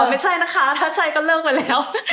ไม่ใช่นะคะถ้าใช่ก็เลิกไปแล้ว